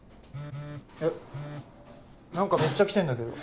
えっなんかめっちゃ来てんだけど。